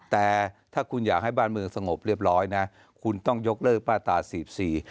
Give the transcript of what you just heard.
แต่ถ้าคุณอยากให้บ้านเมืองสงบเรียบร้อยนะคุณต้องยกเลิกมาตราสี่สิบสี่